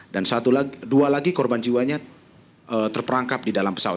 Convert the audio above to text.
dan dua lagi korban jiwanya terperangkap di dalam pesawat